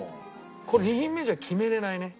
これ２品目じゃ決めれないね。